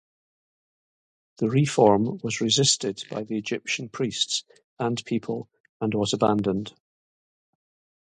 The reform was resisted by the Egyptian priests and people and was abandoned.